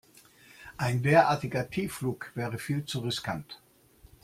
Ein derartiger Tiefflug wäre viel zu riskant.